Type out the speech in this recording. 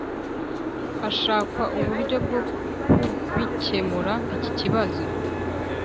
hashakwa uburyo bwo kubikemura iki kibazo